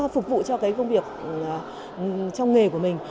phục vụ cho công việc trong nghề của mình